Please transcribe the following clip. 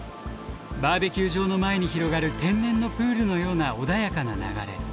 バーベキュー場の前に広がる天然のプールのような穏やかな流れ。